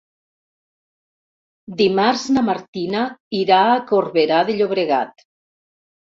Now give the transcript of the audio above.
Dimarts na Martina irà a Corbera de Llobregat.